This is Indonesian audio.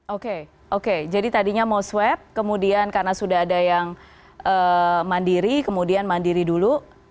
oke oke jadi tadinya mau swab kemudian karena sudah ada yang mandiri kemudian mandiri dulu